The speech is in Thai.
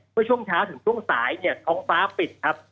เมื่อช่วงเช้าถึงช่วงสายเนี่ยท้องฟ้าปิดครับ